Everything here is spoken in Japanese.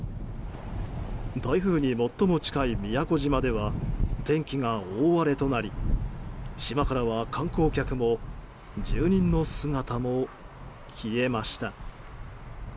台風に最も近い宮古島では天気が大荒れとなり島からは観光客も住人の姿も消えました。